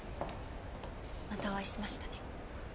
またお会いしましたね。